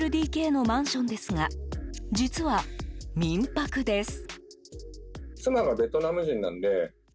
２ＬＤＫのマンションですが実は、民泊です。